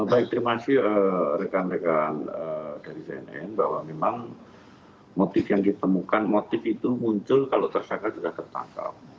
baik terima kasih rekan rekan dari cnn bahwa memang motif yang ditemukan motif itu muncul kalau tersangka sudah tertangkap